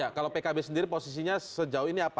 ya kalau pkb sendiri posisinya sejauh ini apa